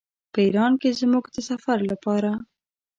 په ایران کې زموږ د سفر لپاره.